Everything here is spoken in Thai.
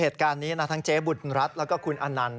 เหตุการณ์นี้ทั้งเจ๊บุญรัติและก็คุณอนันท์